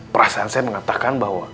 perasaan saya mengatakan bahwa